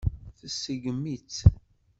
Tseggem-itt.